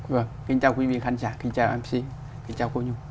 vâng kính chào quý vị khán giả kính chào mc kính chào cô nhung